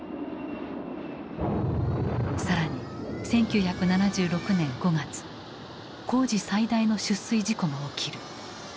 更に１９７６年５月工事最大の出水事故が起きる。